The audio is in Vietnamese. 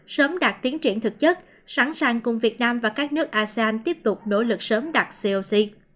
sớm đạt tiến triển thực chất sẵn sàng cùng việt nam và các nước asean tiếp tục nỗ lực sớm đạt coc